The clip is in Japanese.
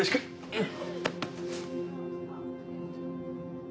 うん。